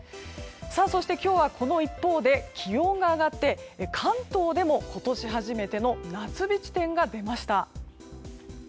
そして今日はこの一方で気温が上がって関東でも今年初めての夏日地点が出ました。